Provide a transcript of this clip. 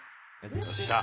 よっしゃ。